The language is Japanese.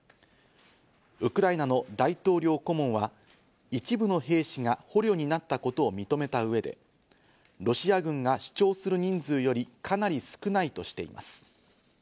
ウクライナの大統領顧問は一部の兵士が捕虜になったことを認めた上でロシア軍が主張する人数よりかなり少ないとしています。